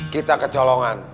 kita ke colongan